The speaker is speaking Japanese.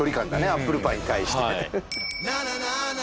アップルパイに対してね